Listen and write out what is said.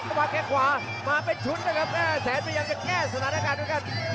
ชุดนะครับแสนมันยังจะแก้สถานการณ์ด้วยครับ